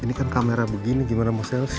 ini kan kamera gini gimana mau herman